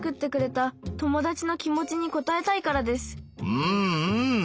うんうん！